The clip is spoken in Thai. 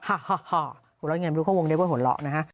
หัวเราะอย่างไรไม่รู้เขาวงได้ไหมว่าหัวเราะ